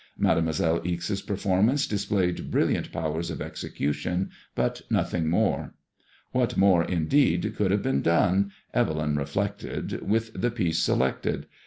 Mademoiselle Ixe's performance displayed brilliant powers of execution, but nothing more. What more, in so IfADEMOISSLLK IXB. deedy could have been done, Evel)m reflected, with the piece selected?